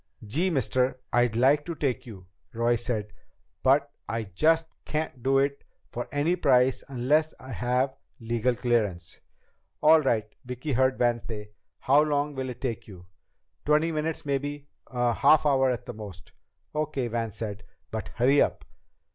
"Gee, mister, I'd like to take you," Roy said, "but I just can't do it for any price unless I have legal clearance." "All right," Vicki heard Van say, "how long will it take you?" "Twenty minutes maybe. A half hour at the most." "Okay," Van said. "But hurry it up."